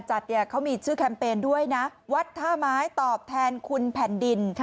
จัดเนี่ยเขามีชื่อแคมเปญด้วยนะวัดท่าไม้ตอบแทนคุณแผ่นดิน